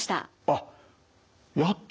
あっやっと？